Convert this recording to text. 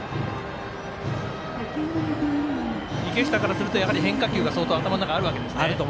池下からすると、変化球が相当、頭の中にあるわけですね。